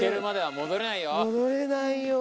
戻れないよ。